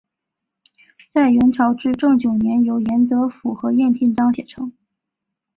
在元朝至正九年由严德甫和晏天章写成。